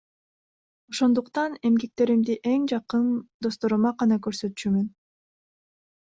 Ошондуктан эмгектеримди эң жакын досторума гана көрсөтчүмүн.